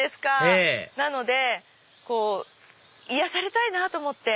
ええなので癒やされたいなと思って。